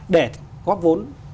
để góp vốn